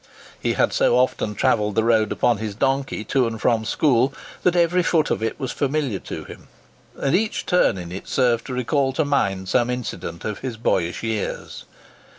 He had so often travelled the road upon his donkey to and from school, that every foot of it was familiar to him; and each turn in it served to recall to mind some incident of his boyish days.